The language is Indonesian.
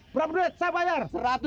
berapa duit saya bayar